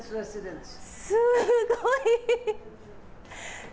すーごい。